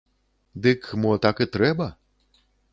Дык, мо, так і трэба?